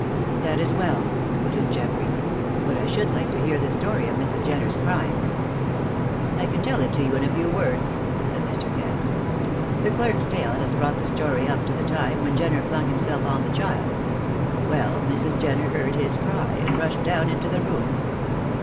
"That is well," put in Geoffrey. "But I should like to hear the story of Mrs. Jenner's crime." "I can tell it to you in a few words," said Mr. Cass. "The clerk's tale has brought the story up to the time when Jenner flung himself on the child. Well, Mrs. Jenner heard his cry, and rushed down into the room.